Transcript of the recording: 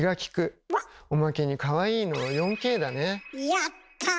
やった。